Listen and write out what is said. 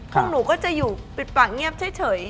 ของหนูก็จะอยู่ปิดปากเงียบเฉย